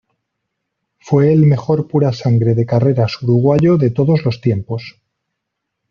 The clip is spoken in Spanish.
Fue el mejor purasangre de carreras uruguayo de todos los tiempos.